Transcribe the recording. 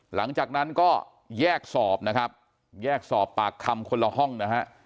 หลังจากนั้นก็แยกสอบนะครับแยกสอบปากคำคนละห้องนะฮะ